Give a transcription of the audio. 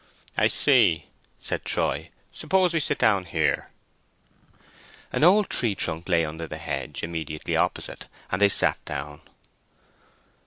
"I see," said Troy. "Suppose we sit down here." An old tree trunk lay under the hedge immediately opposite, and they sat down.